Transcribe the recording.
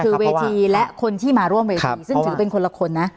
คือเวทีและคนที่มาร่วมเวทีซึ่งถือเป็นคนละคนนะ